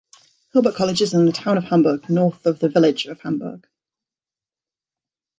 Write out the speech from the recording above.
Hilbert College is in the town of Hamburg, north of the village of Hamburg.